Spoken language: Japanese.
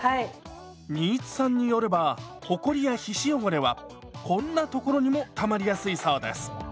新津さんによればほこりや皮脂汚れはこんな所にもたまりやすいそうです。